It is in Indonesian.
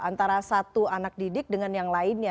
antara satu anak didik dengan yang lainnya